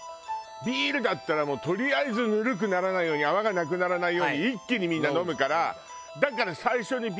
ビールだったらとりあえずぬるくならないように泡がなくならないように一気にみんな飲むから。